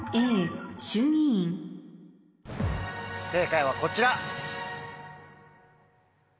正解はこちら。